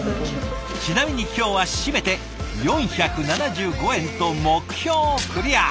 ちなみに今日は締めて４７５円と目標クリア。